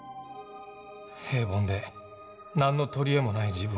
平凡で何の取り柄もない自分が。